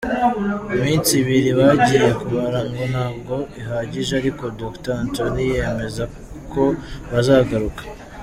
Iminsi ibiri bagiye kumara ngo ntabwo ihagije ariko Dr Antony yemeza ko bazagaruka.